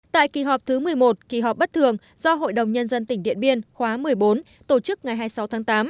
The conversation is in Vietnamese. tại kỳ họp thứ một mươi một kỳ họp bất thường do hội đồng nhân dân tỉnh điện biên khóa một mươi bốn tổ chức ngày hai mươi sáu tháng tám